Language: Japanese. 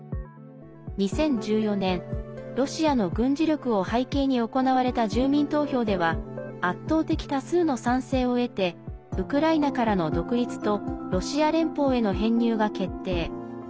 ２０１４年ロシアの軍事力を背景に行われた住民投票では圧倒的多数の賛成を得てウクライナからの独立とロシア連邦への編入が決定。